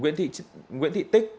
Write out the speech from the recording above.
nguyễn thị tích